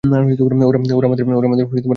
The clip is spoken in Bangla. ওরা আমাদের ঘরে বোমা পুঁতেছে।